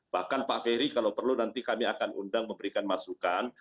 bahkan pak ferry kalau perlu nanti kami akan undang memberikan masukan